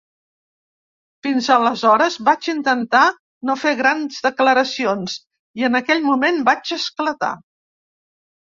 Fins aleshores, vaig intentar no fer grans declaracions i en aquell moment vaig esclatar.